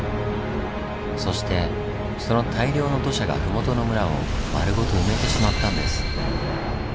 そしてその大量の土砂が麓の村をまるごと埋めてしまったんです。